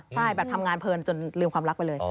ใช่แบบทำงานเพลินจนลืมความรักไปเลย